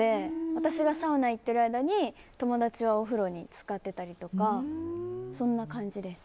私がサウナに行っている間に友達はお風呂に浸かってたりとかそんな感じです。